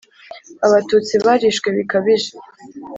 Abatutsi barishwe bikabije.